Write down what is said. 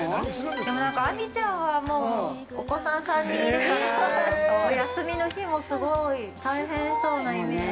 ◆でも、亜美ちゃんはお子さん３人いるから休みの日もすごい大変そうなイメージ。